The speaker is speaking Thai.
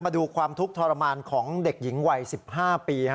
มาดูความทุกข์ทรมานของเด็กหญิงวัย๑๕ปี